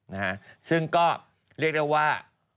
นะฮะซึ่งก็เรียกได้ว่า